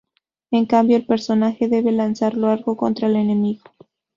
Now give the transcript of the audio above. En cambio, el personaje debe lanzar algo contra el enemigo.